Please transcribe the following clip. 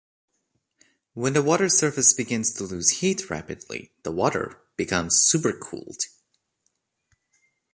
When the water surface begins to lose heat rapidly, the water becomes supercooled.